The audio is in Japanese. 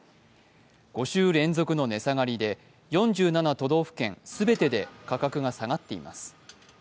５週連続の値下がりで４７都道府県全てで価格が下がっています。